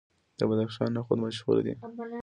د بدخشان نخود مشهور دي.